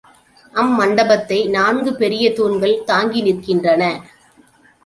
அம்மண்டபத்தை நான்கு பெரிய தூண்கள் தாங்கி நிற்கின்றன.